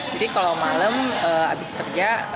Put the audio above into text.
jadi kalau malam habis kerja